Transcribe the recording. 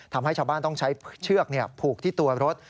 ทำให้ชาวบ้านต้องใช้เชือกผูกที่ตัวรถ